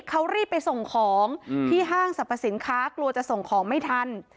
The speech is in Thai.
เขารีบไปส่งของที่ห้างสรรพสินค้ากลัวจะส่งของไม่ทัน